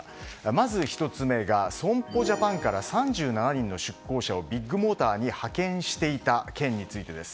まず１つ目が損保ジャパンから３７人の出向者をビッグモーターに派遣していた件についてです。